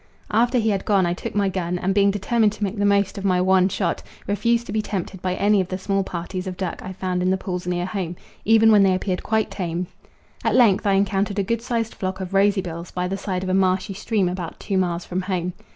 After he had gone I took my gun, and being determined to make the most of my one shot, refused to be tempted by any of the small parties of duck I found in the pools near home, even when they appeared quite tame. At length I encountered a good sized flock of rosy bills by the side of a marshy stream about two miles from home.